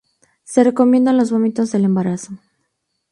Se recomienda en los vómitos del embarazo.